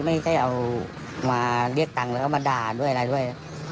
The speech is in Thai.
ไม่ได้เอามาเรียกตังค์แล้วก็มาด่าด้วยอะไรด้วย